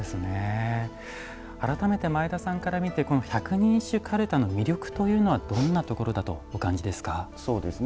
改めて前田さんから見て百人一首かるたの魅力というのはどんなところだとお感じですか？